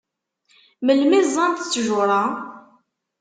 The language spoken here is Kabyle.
Melmi ẓẓant ttjur-a?